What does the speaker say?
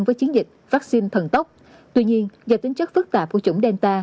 với chiến dịch vaccine thần tốc tuy nhiên do tính chất phức tạp của chủng delta